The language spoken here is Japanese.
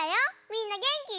みんなげんき？